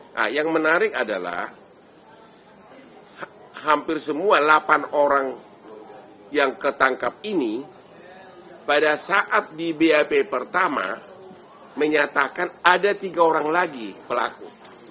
nah yang menarik adalah hampir semua delapan orang yang ketangkap ini pada saat di bap pertama menyatakan ada tiga orang lagi pelaku